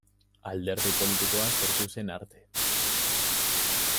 Alderdi politikoa sortu zen arte.